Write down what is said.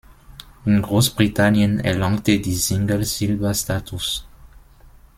In Großbritannien erlangte die Single Silber-Status.